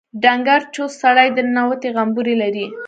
ډنګر چوست سړی دی ننوتي غومبري لري.